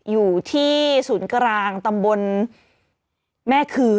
อยู่ที่ศูนย์กลางตำบลแม่คือ